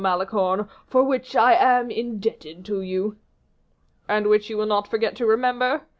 Malicorne, for which I am indebted to you." "And which you will not forget to remember?"